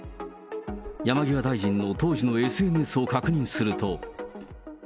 山際大臣の当時のＳＮＳを確認すると。